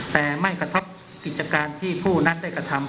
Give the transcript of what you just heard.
แต่ไม่กระทบกิจการที่ผู้นั้นได้กระทำ